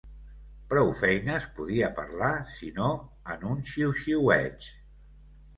Prou feines podia parlar sinó en un xiuxiueig